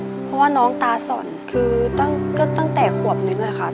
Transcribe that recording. เพราะว่าน้องตาส่อนคือตั้งแต่ขวบนึงค่ะ